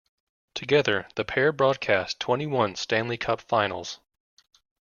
Together, the pair broadcast twenty-one Stanley Cup Finals.